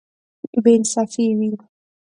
بې انصافي وي.